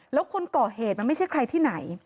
แล้วคนก่อเหตุมันไม่ใช่ใครที่ไหน